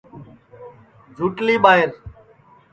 جھوٹؔلی بانو